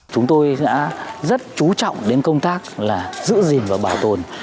chúng tôi sẽ rất chú trọng đến công tác là giữ gìn và bảo tồn